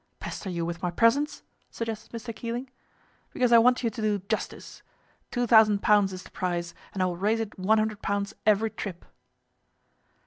"Pester you with my presence?" suggested Mr. Keeling. "Because I want you to do justice. Two thousand pounds is the price, and I will raise it one hundred pounds every trip."